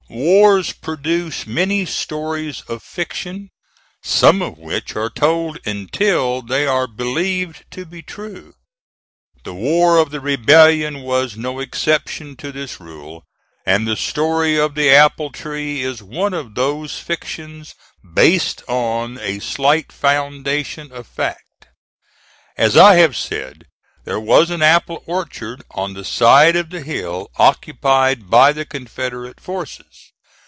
Wars produce many stories of fiction, some of which are told until they are believed to be true. The war of the rebellion was no exception to this rule, and the story of the apple tree is one of those fictions based on a slight foundation of fact. As I have said, there was an apple orchard on the side of the hill occupied by the Confederate forces.